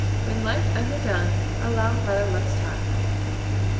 When liked underdone, allow rather less time.